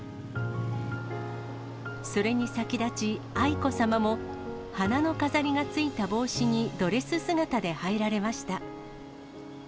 それに先立ち、愛子さまも花の飾りがついた帽子にドレス姿で入られました。